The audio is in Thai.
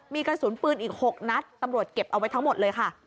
มีกระสุนปืนอีก๖นัดตำรวจเก็บเอาไว้ทั้งหมดเลยค่ะ